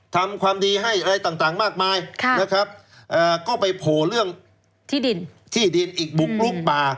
ทำความดีให้อะไรต่างมากมายนะครับก็ไปโผล่เรื่องที่ดินที่ดินอีกบุกลุกป่า